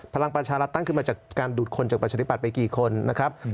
พลังประชารัฐตั้งขึ้นมาจากการดูดคนจากประชาธิบัตย์ไปกี่คนนะครับ